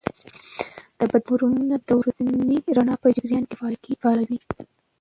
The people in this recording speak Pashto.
د بدن هارمونونه د ورځني رڼا په جریان کې فعاله وي.